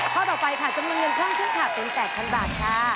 ข้อต่อไปค่ะจำนวงเงินขึ้นขาดเป็น๘๐๐๐บาทค่ะ